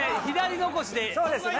左残しで。